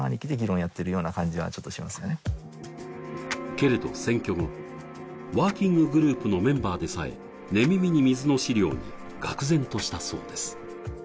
けれど選挙後、ワーキンググループのメンバーでさえ寝耳に水の資料にがく然としたそうです。